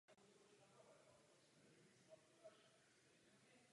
Ve stejném hrobě je pohřbena i jeho manželka.